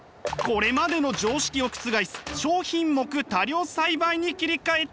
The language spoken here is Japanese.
これまでの常識を覆す少品目多量栽培に切り替えたい！